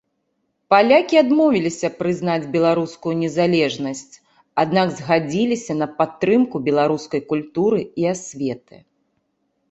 Палякі адмовіліся прызнаць беларускую незалежнасць, аднак згадзіліся на падтрымку беларускай культуры і асветы.